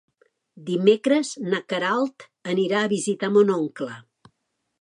Dimecres na Queralt anirà a visitar mon oncle.